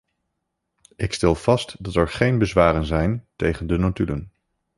Ik stel vast dat er geen bezwaren zijn tegen de notulen.